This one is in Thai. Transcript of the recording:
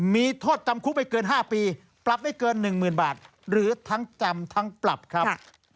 มีโทษจำคลุกไปเกินห้าปีปรับได้เกินหนึ่งหมื่นบาทหรือทั้งจำทั้งปรับครับ